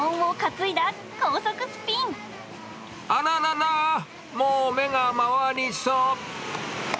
あらららー、もう目が回りそう。